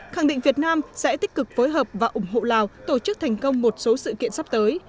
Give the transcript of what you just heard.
khẳng định việt nam sẽ tích cực phối hợp và ủng hộ lào tổ chức thành công một số sự kiện sắp tới